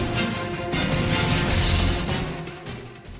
โปรดติดตามตอนต่อไป